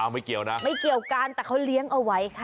ไม่เกี่ยวนะไม่เกี่ยวกันแต่เขาเลี้ยงเอาไว้ค่ะ